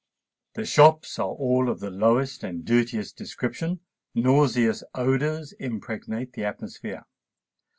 The shops are all of the lowest and dirtiest description; nauseous odours impregnate the atmosphere.